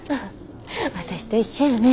私と一緒やね。